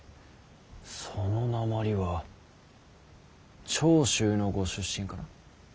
そのなまりは長州のご出身かな。